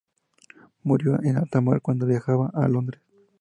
Murió en alta mar cuando viajaba a Londres.